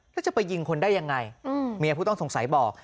แล้วจะไปยิงคนได้ยังไงเมียผู้ต้องสงสัยบอก